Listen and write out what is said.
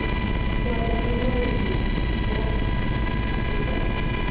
Durante el mismo reivindicó Gibraltar.